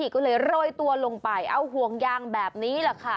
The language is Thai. ก็เลยโรยตัวลงไปเอาห่วงยางแบบนี้แหละค่ะ